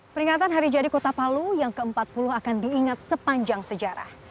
peringatan hari jadi kota palu yang ke empat puluh akan diingat sepanjang sejarah